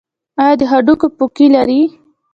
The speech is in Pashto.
ایا د هډوکو پوکي لرئ؟